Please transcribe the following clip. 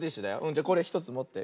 じゃこれ１つもって。